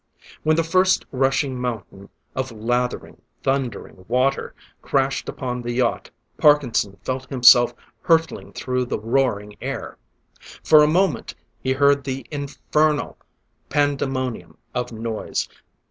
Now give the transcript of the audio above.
When the first rushing mountain of lathering, thundering water crashed upon the yacht, Parkinson felt himself hurtling through the roaring air. For a moment he heard the infernal pandemonium of noise